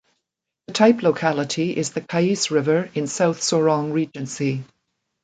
The type locality is the Kais River in South Sorong Regency.